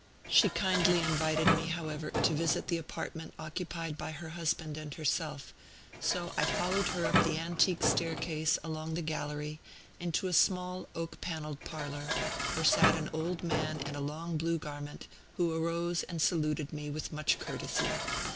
She kindly invited me, however, to visit the apartment occupied by her husband and herself; so I followed her up the antique staircase, along the gallery, and into a small, oak panelled parlor, where sat an old man in a long blue garment, who arose and saluted me with much courtesy.